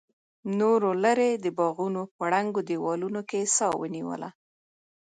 نورو لرې د باغونو په ړنګو دیوالونو کې سا ونیوله.